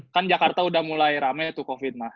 kan jakarta udah mulai ramai tuh covid mah